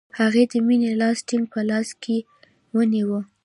هغې د مینې لاس ټینګ په خپل لاس کې ونیوه